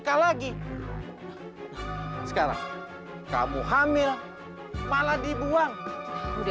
sampai jumpa di video selanjutnya